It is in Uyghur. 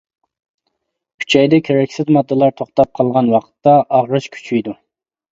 ئۈچەيدە كېرەكسىز ماددىلار توختاپ قالغان ۋاقىتتا ئاغرىش كۈچىيىدۇ.